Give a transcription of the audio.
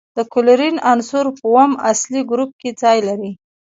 د کلورین عنصر په اووم اصلي ګروپ کې ځای لري.